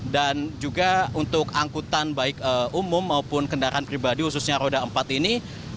juga untuk angkutan baik umum maupun kendaraan pribadi khususnya roda empat ini